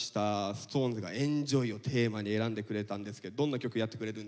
ＳｉｘＴＯＮＥＳが「ＥＮＪＯＹ」をテーマに選んでくれたんですけどどんな曲やってくれるんですか？